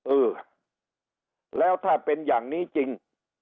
เออแล้วถ้าเป็นอย่างนี้จริง